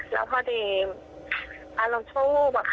พอดีก็มีอารมณ์ชุบ